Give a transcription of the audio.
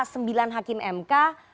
sembilan hakim mk